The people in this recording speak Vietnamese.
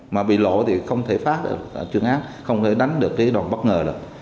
mà bị lộ thì không thể phá được trường án không thể đánh được cái đòn bất ngờ được